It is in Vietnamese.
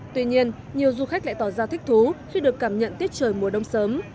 tuy nhiên nhiều du khách lại tỏ ra thích thú khi được cảm nhận tiết trời mùa đông sớm